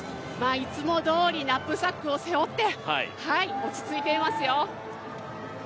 いつもどおりナップザックを背負って落ち着いていますよ。